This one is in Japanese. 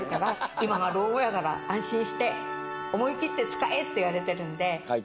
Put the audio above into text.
今は老後やから安心して思い切って使えって言われてるんで。